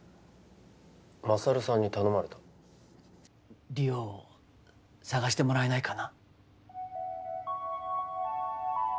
勝さんに頼まれた莉桜を捜してもらえないかな？